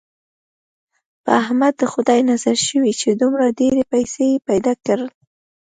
په احمد د خدای نظر شوی، چې دومره ډېرې پیسې یې پیدا کړلې.